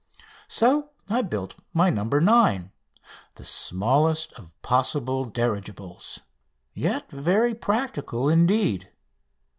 So I built my "No. 9," the smallest of possible dirigibles, yet very practical indeed.